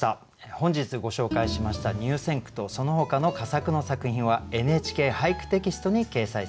本日ご紹介しました入選句とそのほかの佳作の作品は「ＮＨＫ俳句」テキストに掲載されます。